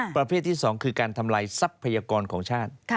ประเภทที่๒คือการทำลายทรัพยากรของชาติ